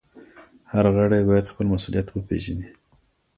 هر غړی بايد خپل مسؤليت پيژني.